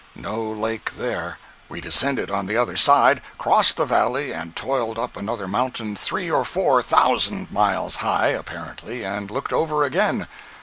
No lake there. We descended on the other side, crossed the valley and toiled up another mountain three or four thousand miles high, apparently, and looked over again.